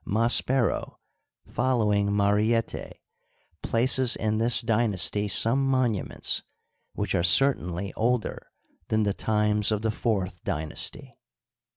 — Maspero, following Mariette, places in this dynasty some monuments, which are certainly older than the times of the fourth dynasty.